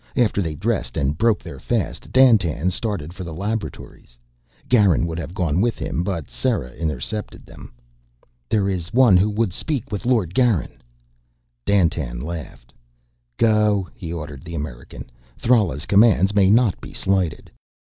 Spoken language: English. After they dressed and broke their fast, Dandtan started for the laboratories. Garin would have gone with him, but Sera intercepted them. "There is one would speak with Lord Garin...." Dandtan laughed. "Go," he ordered the American. "Thrala's commands may not be slighted."